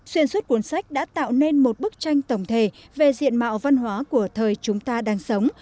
xuyên suốt cuốn sách đã tạo nên một bức tranh tổng thể về diện mạo văn hóa của thời chúng ta đang sống